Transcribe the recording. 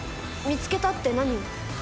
見つけたって何を？